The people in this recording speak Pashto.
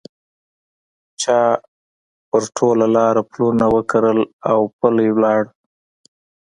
چا په ټول لاره پلونه وکرل اوپلي ولاړه